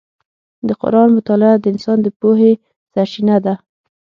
د قرآن مطالعه د انسان د پوهې سرچینه ده.